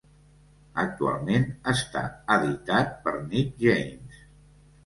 Actualment està editat per Nick James.